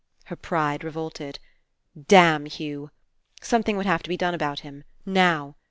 Her pride revolted. Damn Hugh! Something would have to be done about him. Now.